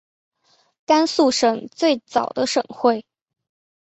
甘肃省最早的省会。